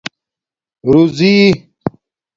روزݵ